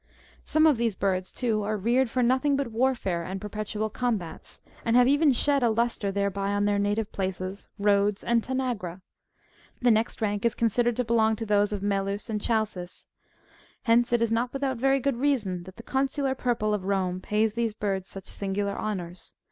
Some of these birds, too, are reared for nothing but warfare and perpetual combats, and have even shed a lustre thereby on their native places, Ehodes and Tanagra. The next rank is considered to belong to those of Melos '^ and Chalcis. Hence, it is not without very good reason that the consular purple of Kome pays these birds such singular honours.